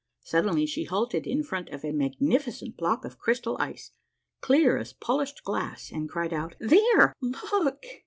Suddenly she halted in front of a magnificent block of crystal ice, clear as polished glass, and cried out, —" There, look